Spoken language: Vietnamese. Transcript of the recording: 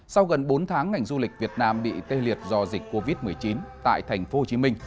sau gần bốn tháng ngành du lịch việt nam bị tê liệt do dịch covid một mươi chín tại thành phố hồ chí minh